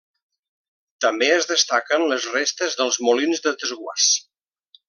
També es destaquen les restes dels molins de desguàs.